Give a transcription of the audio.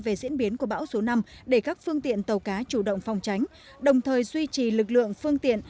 về diễn biến của bão số năm để các phương tiện tàu cá chủ động phòng tránh đồng thời duy trì lực lượng phương tiện